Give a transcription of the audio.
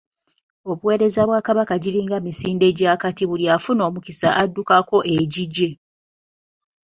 Obuweereza bwa Kabaka giringa misinde gy'akati, buli afuna omukisa addukako egigye.